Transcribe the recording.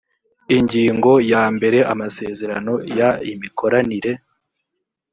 ingingo ya mbere amasezerano y imikoranire